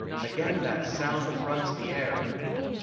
Again that sound affronts the air